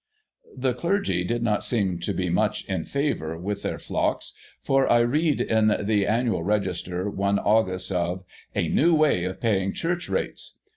The clergy did not seem to be much in favour with their flocks, for I read in the Annual Register^ i Aug., of " A NEW Way of Paying Church Rates.